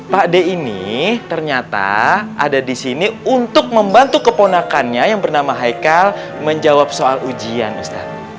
pak d ini ternyata ada di sini untuk membantu keponakannya yang bernama haikal menjawab soal ujian ustadz